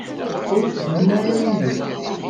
Ur tteddun ara yid-k?